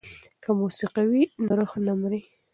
که موسیقي وي نو روح نه مري.